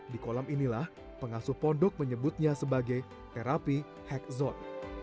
di kolam inilah pengasuh pondok menyebutnya sebagai terapi hexot